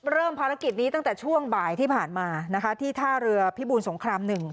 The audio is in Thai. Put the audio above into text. เริ่มภารกิจนี้ตั้งแต่ช่วงบ่ายที่ผ่านมานะคะที่ท่าเรือพิบูรสงคราม๑